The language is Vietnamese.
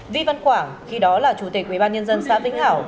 vi văn quảng khi đó là chủ tịch ubnd xã vĩnh hảo